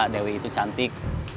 dewi itu cantik